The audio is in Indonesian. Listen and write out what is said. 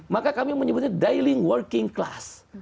maka kami menyebutnya dailing working class